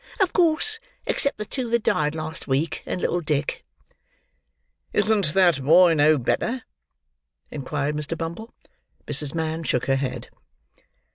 Of course, except the two that died last week. And little Dick." "Isn't that boy no better?" inquired Mr. Bumble. Mrs. Mann shook her head.